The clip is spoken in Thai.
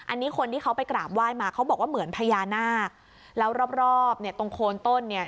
อันนี้คนที่เขาไปกราบไหว้มาเขาบอกว่าเหมือนพญานาคแล้วรอบรอบเนี่ยตรงโคนต้นเนี่ย